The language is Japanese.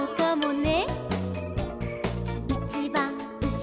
「ね！」